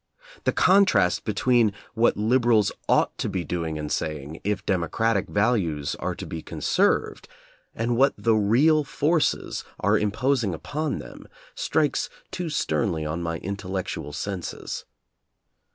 The contrast between what lib erals ought to be doing and saying if democratic values are to be conserved, and what the real forces are imposing upon them, strikes too sternly on my intellectual senses.